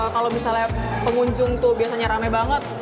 kalau misalnya pengunjung tuh biasanya rame banget